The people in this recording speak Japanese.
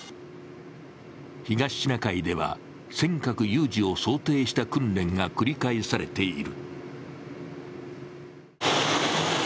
東シナ海では尖閣有事を想定した訓練が繰り返されている。